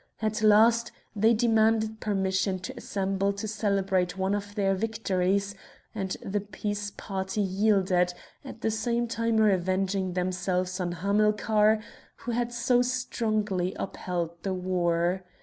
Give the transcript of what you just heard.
At last they demanded permission to assemble to celebrate one of their victories, and the peace party yielded, at the same time revenging themselves on Hamilcar who had so strongly upheld the war.